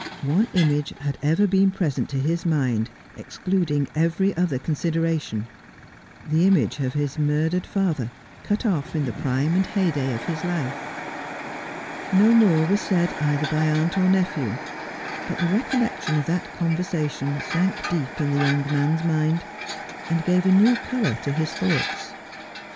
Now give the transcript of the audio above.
One image had ever been present to his mind, excluding every other consideration — the image of his murdered father, cut off in the prime and heyday of life. No more was said either by aunt or nephew ; but the recollection of that conversation sank deep in the young mans mind, and gave a new colour to his thoughts.